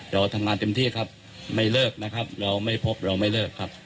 เราทำงานเต็มที่ครับไม่เลิกนะครับเราไม่พบเราไม่เลิกครับ